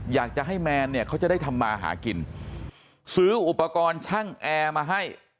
อยากจะให้แมนเนี่ยเขาจะได้ทำมาหากินซื้ออุปกรณ์ช่างแอร์มาให้